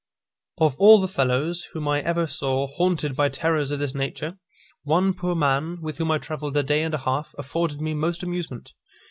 Of all the fellows whom I ever saw haunted by terrors of this nature, one poor man, with whom I travelled a day and a half, afforded me most amusement.